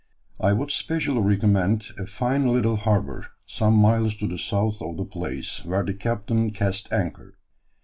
I would specially recommend a fine little harbour, some miles to the south of the place, where the captain cast anchor.